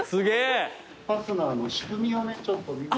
ファスナーの仕組みをねちょっと見ていただく。